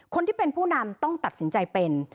คนที่เป็นผู้นำต้องตัดสินใจเป็น